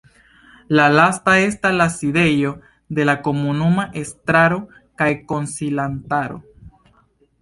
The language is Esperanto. La lasta estas la sidejo de la komunuma estraro kaj konsilantaro.